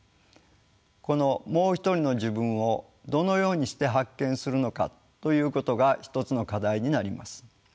この「もう一人の自分」をどのようにして発見するのかということが一つの課題になります。